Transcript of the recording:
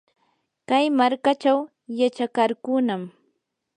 kay markachaw yachakarqunam.